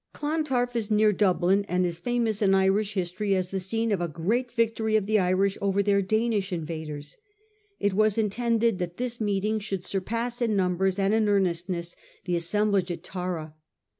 Clontarf is near Dublin, and is famous in Irish history as the scene of a great victory of the Irish over their Danish invaders. It was in tended that this meeting should surpass in numbers and in earnestness the assemblage at Tara.